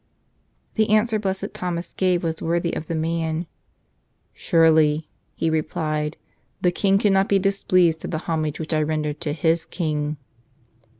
The answer Blessed Thomas gave was worthy of the man. "Surely," he replied, "the king cannot be displeased at the homage which I render to his King."